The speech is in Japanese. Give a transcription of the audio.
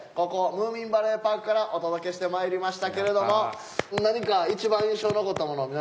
ここムーミンバレーパークからお届けしてまいりましたけれども何か一番印象に残ったもの